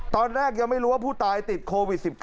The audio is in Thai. ตอนแรกยังไม่รู้ว่าผู้ตายติดโควิด๑๙